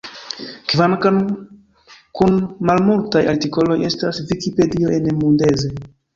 Kvankam kun malmultaj artikoloj estas Vikipedio en Mundeze.